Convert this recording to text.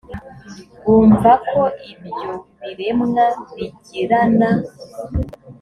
bumva ko ibyo biremwa bigirana